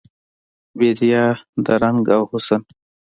بیدیا د رنګ او حسن